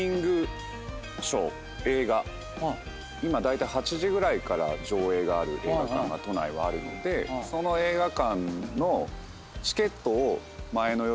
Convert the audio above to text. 今だいたい８時ぐらいから上映がある映画館が都内はあるのでその映画館の。